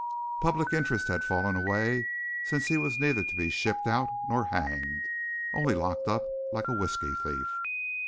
Public interest had fallen away since he was neither to be shipped out nor hanged, only locked up like a whisky thief.